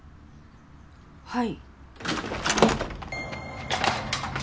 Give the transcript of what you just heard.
はい。